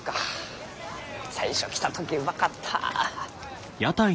最初来た時うまかった。